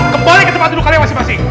kembali ke tempat dudukannya masing masing